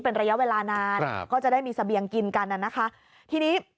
เป็นระยะเวลานานก็จะได้มีสเบียงกินกัน